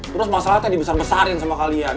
terus masalahnya dibesar besarin sama kalian